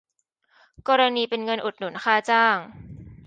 กรณีเป็นเงินอุดหนุนค่าจ้าง